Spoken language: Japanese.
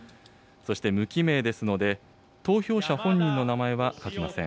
そして無記名ですので、投票者本人の名前は書きません。